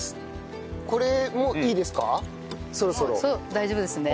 大丈夫ですね。